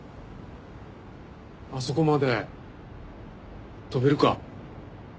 あそこまで跳べるか？